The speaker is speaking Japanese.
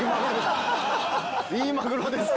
いいマグロですか？